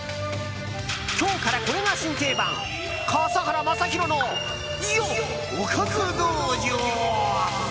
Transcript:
今日からこれが新定番笠原将弘のおかず道場。